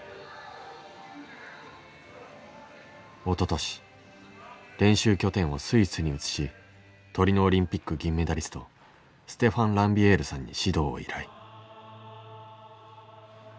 おととし練習拠点をスイスに移しトリノオリンピック銀メダリストステファン・ランビエールさんに指導を依頼。